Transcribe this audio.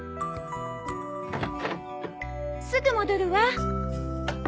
すぐ戻るわ。